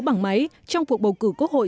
bằng máy trong cuộc bầu cử quốc hội